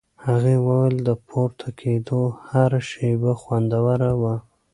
هغې وویل د پورته کېدو هره شېبه خوندوره وه.